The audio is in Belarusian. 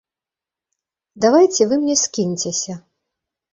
Давайце вы мне скіньцеся.